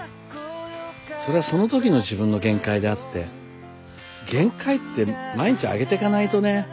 それはそのときの自分の限界であって限界って毎日上げてかないとね。